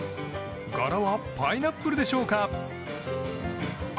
柄はパイナップルでしょうか？